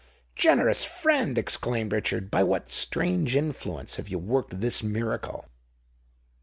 "Generous friend!" exclaimed Richard: "by what strange influence have you worked this miracle?"